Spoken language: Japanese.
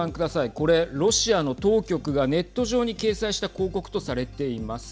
これロシアの当局がネット上に掲載した広告とされています。